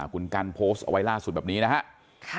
คุณกันโพสต์เอาไว้ล่าสุดแบบนี้นะครับ